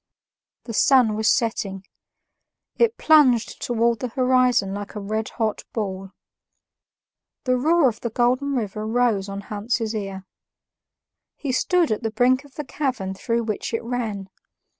The sun was setting; it plunged towards the horizon like a redhot ball. The roar of the Golden River rose on Hans's ear. He stood at the brink of the chasm through which it ran.